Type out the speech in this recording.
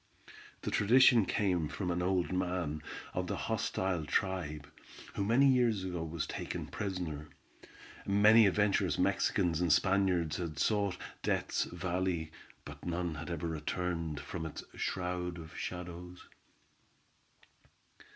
The tradition came from an old man of the hostile tribe who many years ago was taken prisoner. Many adventurous Mexicans and Spaniards had sought Death's Valley, but none had ever returned from its shroud of shadows.